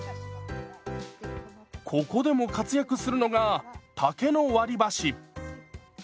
ここでも活躍するのが竹の割り箸。